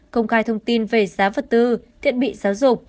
công khai thông tin về giá vật tư thiết bị giáo dục